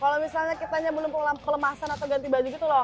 kalau misalnya kita nyambung lumpung kelemasan atau ganti baju gitu loh